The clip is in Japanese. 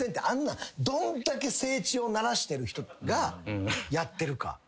あんなどんだけ整地をならしてる人がやってるか。